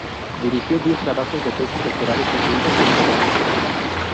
Dirigió diez trabajos de tesis doctorales concluidas y aprobadas.